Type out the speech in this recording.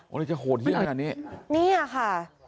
โอ๊ยจะโหดเยี่ยมแบบนี้นี่ค่ะ